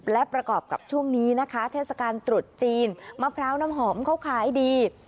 และประกอบกับช่วงนี้นะคะเทศกาลตรุษจีนมะพร้าวน้ำหอมเขาขายดี